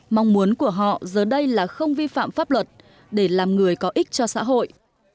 mong muốn của họ giờ đây là không vi phạm pháp luật để làm người có ích cho xã hội